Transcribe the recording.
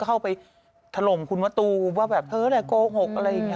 เข้าไปถล่มคุณมะตูมว่าแบบเธอแหละโกหกอะไรอย่างนี้